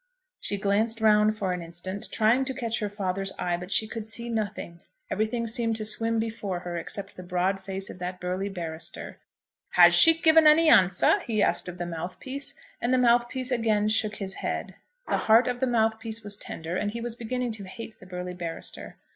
She glanced round for an instant, trying to catch her father's eye; but she could see nothing; everything seemed to swim before her except the broad face of that burly barrister. "Has she given any answer?" he asked of the mouthpiece; and the mouthpiece again shook his head. The heart of the mouthpiece was tender, and he was beginning to hate the burly barrister.